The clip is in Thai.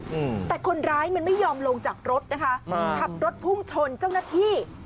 อืมแต่คนร้ายมันไม่ยอมลงจากรถนะคะอ่าขับรถพุ่งชนเจ้าหน้าที่